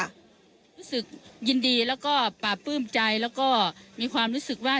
รู้สึกยินดีแล้วก็ปราบปลื้มใจแล้วก็มีความรู้สึกว่า